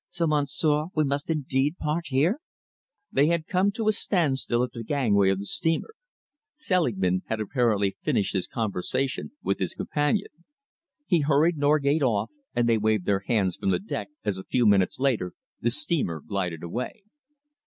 So, monsieur, we must indeed part here?" They had all come to a standstill at the gangway of the steamer. Selingman had apparently finished his conversation with his companion. He hurried Norgate off, and they waved their hands from the deck as a few minutes later the steamer glided away.